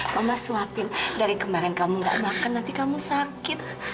allah swapin dari kemarin kamu gak makan nanti kamu sakit